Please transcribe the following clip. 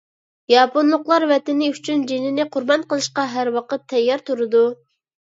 ياپونلۇقلار ۋەتىنى ئۈچۈن جېنىنى قۇربان قىلىشقا ھەر ۋاقىت تەييار تۇرىدۇ.